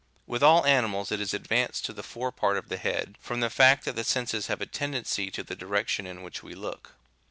With all animals it is advanced to the fore part of the head, from the fact that the senses have a tendency to the direction in which we look.